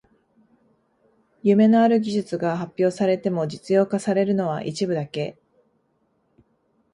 夢のある技術が発表されても実用化されるのは一部だけ